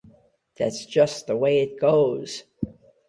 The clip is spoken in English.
That's just the way it goes.